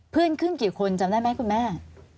ขึ้นกี่คนจำได้ไหมคุณแม่